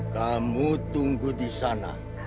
kamu tunggu disana